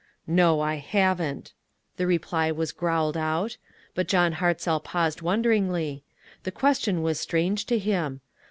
" No, I haven't," the reply was growled out; but John Hartzell paused wonderingly. The question was strange to him.